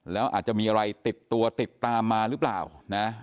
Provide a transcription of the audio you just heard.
แล้วอาจจะมีอะไรติดตัวติดตามมาหรือเปล่านะ